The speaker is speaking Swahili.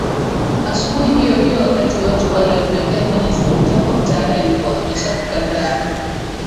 Asubuhi hiyohiyo wakati watu wale wakiongea kwenye simu Jacob tayari alikuwa ameshafika Dar